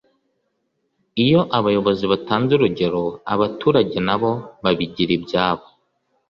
(…) iyo abayobozi batanze urugero abaturage na bo babigira ibyabo